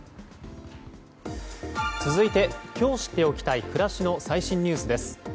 続いて今日知っておきたい暮らしの最新ニュースです。